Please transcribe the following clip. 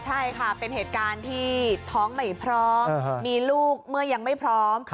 ใช่ค่ะเป็นเหตุการณ์ที่ท้องไม่พร้อมมีลูกเมื่อยังไม่พร้อม